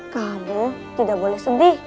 kamu tidak boleh sedih